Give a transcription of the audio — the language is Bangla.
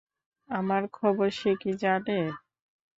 আমার খবর সে কী জানে?